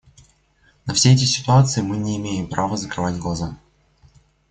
На все эти ситуации мы не имеем права закрывать глаза.